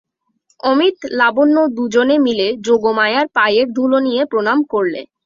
অমিত লাবণ্য দুজনে মিলে যোগমায়ার পায়ের ধুলো নিয়ে প্রণাম করলে।